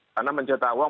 karena mencetak uang